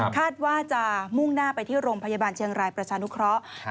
คาดว่าจะมุ่งหน้าไปที่โรงพยาบาลเชียงรายประชานุเคราะห์